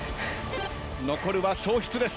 残るは消失です。